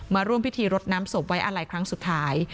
มาร่วมพิธีรดน้ำศพไว้อาลัยครั้งสุดท้าย